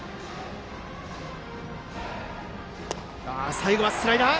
最後はスライダー！